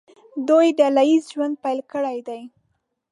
دوی ډله ییز ژوند پیل کړی دی.